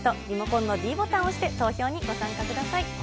リモコンのｄボタンを押して、投票にご参加ください。